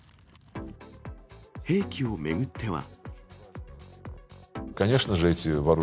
兵器を巡っては。